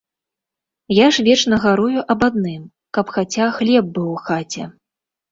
Я ж вечна гарую аб адным, каб хаця хлеб быў у хаце.